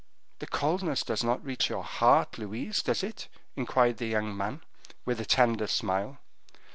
"This coldness does not reach your heart, Louise, does it?" inquired the young man, with a tender smile.